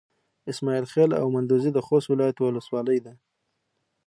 اسماعيل خېل او مندوزي د خوست ولايت يوه ولسوالي ده.